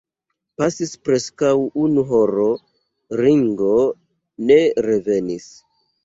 Pasis preskaŭ unu horo; Ringo ne revenis.